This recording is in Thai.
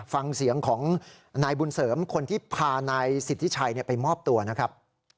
ฟังเสียงของนายบุญเสริมคนที่พานายสิทธิชัยไปมอบตัวนะครับ